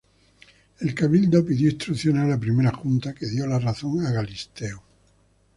El cabildo pidió instrucciones a la Primera Junta, que dio la razón a Galisteo.